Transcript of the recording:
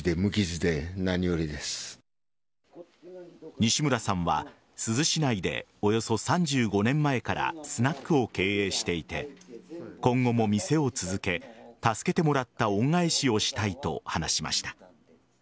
西村さんは珠洲市内でおよそ３５年前からスナックを経営していて今後も店を続け助けてもらった恩返しをしたいと話しました。